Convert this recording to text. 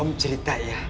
om cerita ya